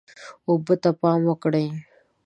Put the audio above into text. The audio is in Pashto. اوبه ته پام وکړئ.